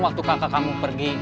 waktu kakak kamu pergi